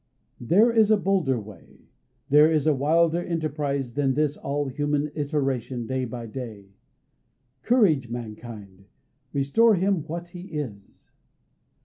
There is a bolder way, There is a wilder enterprise than this All human iteration day by day. Courage, mankind! Restore Him what is His.